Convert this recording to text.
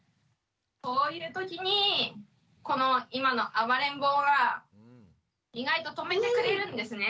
そういうときにこの今の暴れん坊が意外と止めてくれるんですね。